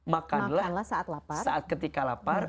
makanlah saat ketika lapar